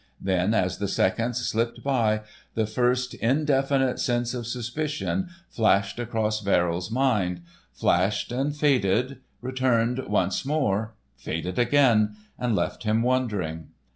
Then as the seconds slipped by, the first indefinite sense of suspicion flashed across Verrill's mind, flashed and faded, returned once more, faded again, and left him wondering.